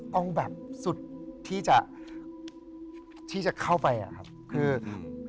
ต้องแบบสุดที่จะเข้าไปอะครับ